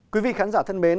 quý vị khán giả thân mến